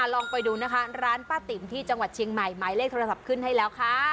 ลองไปดูนะคะร้านป้าติ๋มที่จังหวัดเชียงใหม่หมายเลขโทรศัพท์ขึ้นให้แล้วค่ะ